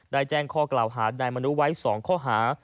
แจ้งข้อกล่าวหานายมนุไว้๒ข้อหา